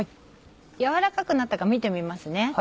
軟らかくなったか見てみます。